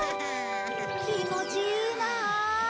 気持ちいいなあ。